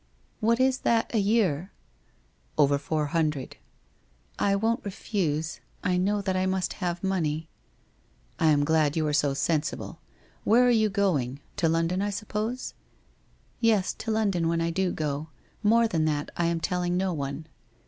' "What is that a vear ?'* Over four hundred.' 1 1 won't refuse. I know that I must have money.' 1 1 am glad you are so sensible. Where are you going ? To London, I suppose ?'' Yes, to London when I do go. More than that, I am telling no one.'